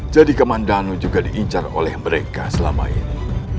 jadi kamandhanu juga diincar oleh mereka selama ini